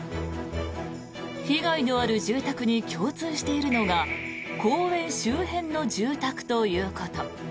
被害のある住宅に共通しているのが公園周辺の住宅ということ。